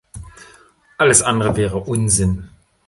Alles andere wäre Unsinn.